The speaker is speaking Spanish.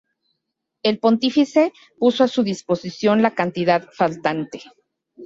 El pontífice puso a su disposición la cantidad faltante.